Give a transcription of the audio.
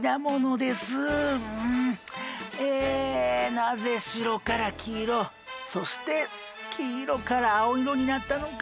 なぜ白から黄色そして黄色から青色になったのか！